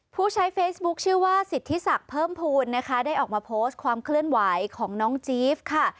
ผู้ใช้เฟซบุ๊คชื่อว่าสิทธิศักดิ์เพิ่มภูมินะคะได้ออกมาโพสต์ความเคลื่อนไหวของน้องจี๊บค่ะ